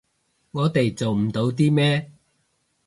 我哋做唔到啲咩